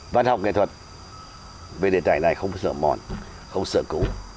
văn học nghệ thuật về đề tài này không sợ mòn không sợ cũ